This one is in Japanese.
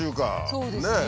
そうですね。